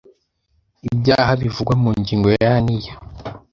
Ibyaha bivugwa mu ngingo ya n iya